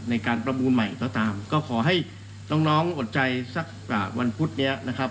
ในการประมูลใหม่ก็ตามก็ขอให้น้องน้องอดใจสักวันพุธนี้นะครับ